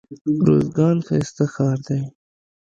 روزګان ښايسته ښار دئ.